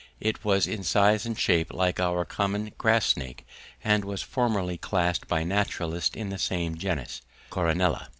It was in size and shape like our common grass snake, and was formerly classed by naturalists in the same genus, Coronella.